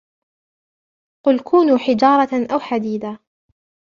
قل كونوا حجارة أو حديدا